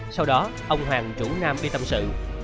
sau đó ông hoàng chủ nam đi tâm sự